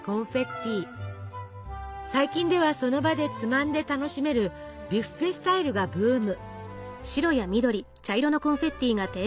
最近ではその場でつまんで楽しめるビュッフェスタイルがブーム。